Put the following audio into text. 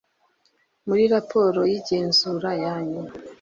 muri raporo y igenzura ya nyuma